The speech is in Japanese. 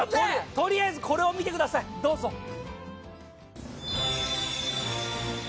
とりあえずこれを見てくださいどうぞ。